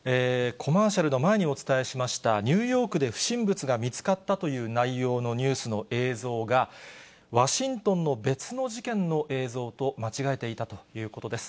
コマーシャルの前にお伝えしました、ニューヨークで不審物が見つかったという内容のニュースの映像が、ワシントンの別の事件の映像と間違えていたということです。